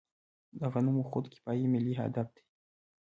د غنمو خودکفايي ملي هدف دی.